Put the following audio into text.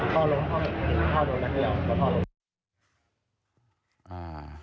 ค่ะ